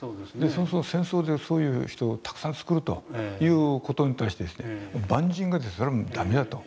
そうすると戦争でそういう人をたくさんつくるという事に対して万人がそれは駄目だと。